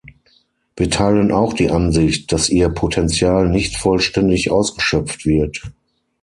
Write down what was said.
Wir teilen auch die Ansicht, dass ihr Potenzial nicht vollständig ausgeschöpft wird.